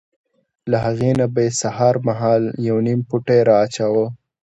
له هغې نه به یې سهار مهال یو نیم پوټی را اچاوه.